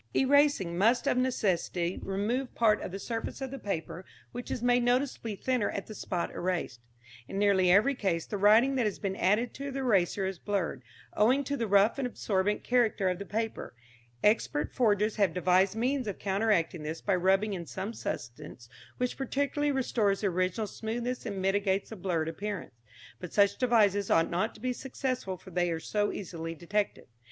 Erasing must of necessity remove part of the surface of the paper which is made noticeably thinner at the spot erased. In nearly every case the writing that has been added to the erasure is blurred, owing to the rough and absorbent character of the paper. Expert forgers have devised means of counteracting this by rubbing in some substance which partially restores the original smoothness and mitigates the blurred appearance. But such devices ought not to be successful for they are so easily detected.